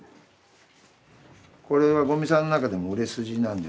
これは五味さんの中でも売れ筋なんじゃないですかね。